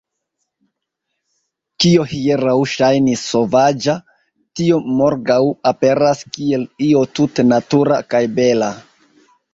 Kio hieraŭ ŝajnis sovaĝa, tio morgaŭ aperas kiel io tute natura kaj bela.